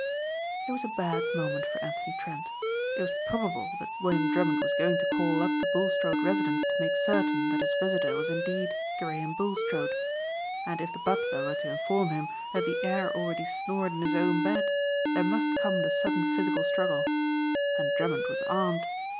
It was a bad moment for Anthony Trent. It was probable that William Drummond was going to call up the Bulstrode residence to make certain that his visitor was indeed Graham Bulstrode. And if the butler were to inform him that the heir already snored in his own bed there must come the sudden physical struggle. And Drummond was armed.